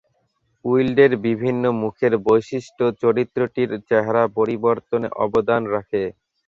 উইল্ডের বিভিন্ন মুখের বৈশিষ্ট্য চরিত্রটির চেহারা পরিবর্তনে অবদান রাখে।